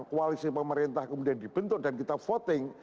koalisi pemerintah kemudian dibentuk dan kita voting